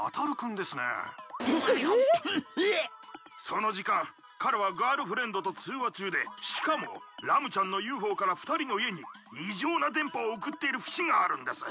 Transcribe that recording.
その時間彼はガールフレンドと通話中でしかもラムちゃんのＵＦＯから２人の家に異常な電波を送っている節があるんです。